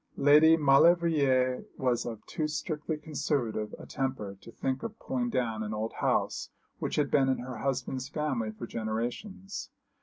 Lady Maulevrier was of too strictly conservative a temper to think of pulling down an old house which had been in her husband's family for generations.